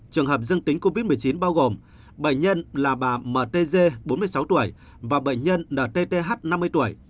trường hợp dương tính covid một mươi chín bao gồm bệnh nhân là bà mtg bốn mươi sáu tuổi và bệnh nhân ntth năm mươi tuổi